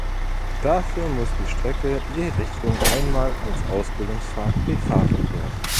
Dafür muss die Strecke je Richtung einmal als Ausbildungsfahrt befahren werden.